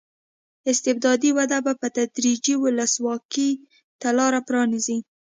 استبدادي وده به په تدریج ولسواکۍ ته لار پرانېزي.